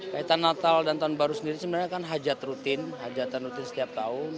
kaitan natal dan tahun baru sendiri sebenarnya kan hajat rutin hajatan rutin setiap tahun